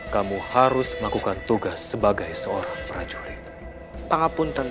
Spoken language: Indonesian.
kamu harus melakukan tugas sebagai seorang prajurit